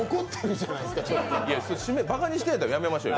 馬鹿にしてるんだったらやめましょうよ。